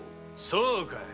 そうかい！